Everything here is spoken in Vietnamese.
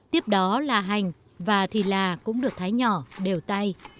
tiếp đó là hành và thịt đà cũng được thái nhỏ đều tay